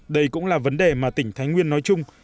đây cũng là vấn đề mà tỉnh thái nguyên nói chung